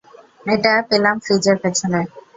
এটা পেলাম ফ্রিজের পেছনে।